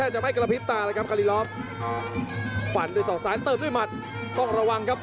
จริงจริงจริง